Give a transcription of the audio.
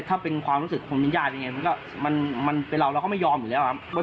ถ้าเป็นความรู้สึกของมิญญาณยังไงมันเป็นเราแล้วเขาไม่ยอมอยู่แล้วครับ